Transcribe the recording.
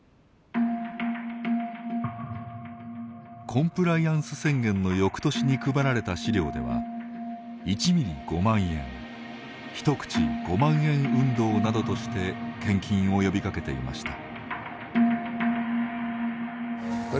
コンプライアンス宣言の翌年に配られた資料では「１ミリ５万円」「１口５万円運動」などとして献金を呼びかけていました。